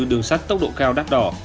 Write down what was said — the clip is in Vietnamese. đường sắt tốc độ cao đắt đỏ